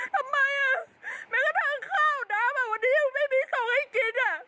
ทำไมอ่ะแม้กระทั่งข้าวแดมอ่ะวันนี้ยังไม่มีส่งให้กินอ่ะ